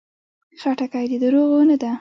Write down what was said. خټکی د دروغو نه ده.